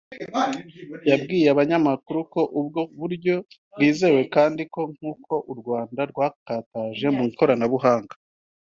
yabwiye abanyamakuru ko ubwo buryo bwizewe kandi ko nk’uko u Rwanda rwakataje mu ikoranabuhanga